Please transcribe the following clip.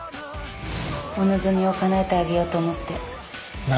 お望みをかなえてあげようと思って